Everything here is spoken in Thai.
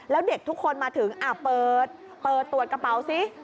แล้วเด็กทุกคนมาถึงเปิดตรวจกระเป๋าสิ